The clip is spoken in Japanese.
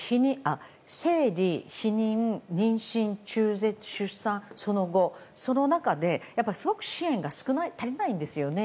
生理、避妊妊娠、中絶、出産、その後その中で支援が少ないんですよね。